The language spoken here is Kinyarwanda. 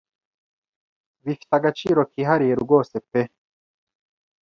bifite agiciro kihariye rwose pe